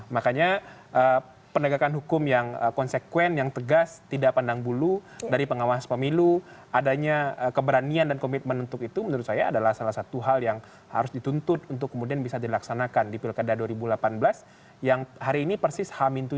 makanya penegakan hukum yang konsekuen yang tegas tidak pandang bulu dari pengawas pemilu adanya keberanian dan komitmen untuk itu menurut saya adalah salah satu hal yang harus dituntut untuk kemudian bisa dilaksanakan di pilkada dua ribu delapan belas yang hari ini persis h tujuh